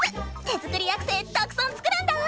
手作りアクセたくさん作るんだぁ！